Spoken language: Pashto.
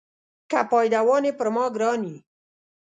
که پایدوان یې پر ما ګران یې.